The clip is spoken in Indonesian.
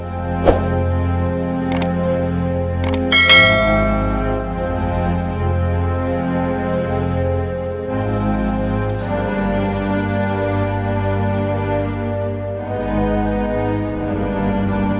saat praya yang berangkat